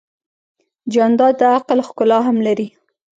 جانداد د عقل ښکلا هم لري.